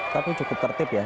tapi cukup tertib ya